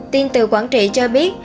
tin từ quảng trị cho biết